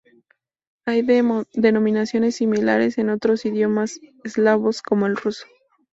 Hay denominaciones similares en otros idiomas eslavos, como el ruso.